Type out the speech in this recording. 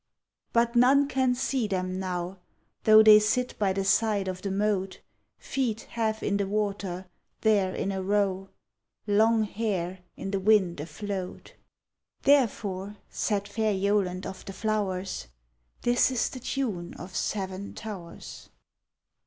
_ But none can see them now, Though they sit by the side of the moat, Feet half in the water, there in a row, Long hair in the wind afloat. _Therefore, said fair Yoland of the flowers, This is the tune of Seven Towers.